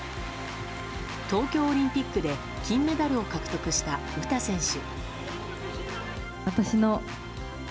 東京オリンピックで金メダルを獲得した詩選手。